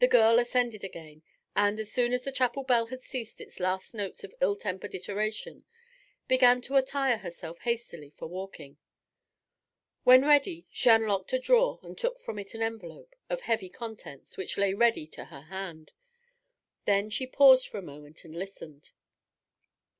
The girl ascended again, and, as soon as the chapel bell had ceased its last notes of ill tempered iteration, began to attire herself hastily for walking. When ready, she unlocked a drawer and took from it an envelope, of heavy contents, which lay ready to her hand. Then she paused for a moment and listened.